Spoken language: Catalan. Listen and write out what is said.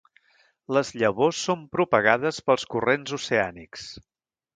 Les llavors són propagades pels corrents oceànics.